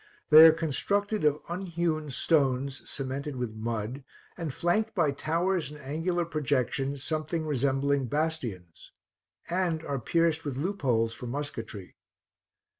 They are constructed of unhewn stones cemented with mud, and flanked by towers and angular projections something resembling bastions, and are pierced with loopholes for musquetry.